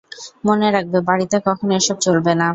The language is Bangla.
মনে রাখবে, বাড়িতে কখনো এসব চলবেনা!